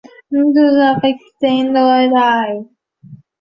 旁枝轴孔珊瑚为轴孔珊瑚科轴孔珊瑚属下的一个种。